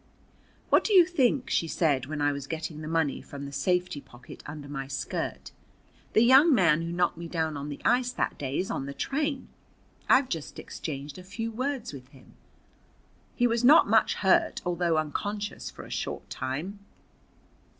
"What do you think?" she said, while I was getting the money from the safety pocket under my skirt. "The young man who knocked me down on the ice that day is on the train. I've just exchanged a few words with him. He was not much hurt, although unconscious for a short time.